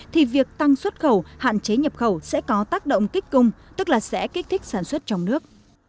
thì việc tăng xuất khẩu hạn chế nhập khẩu sẽ có tác động kích cung tức là sẽ kích thích sản xuất trong nước